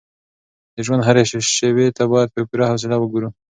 د ژوند هرې شېبې ته باید په پوره حوصله وګورو.